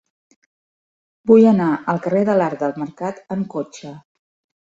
Vull anar al carrer de l'Arc del Mercat amb cotxe.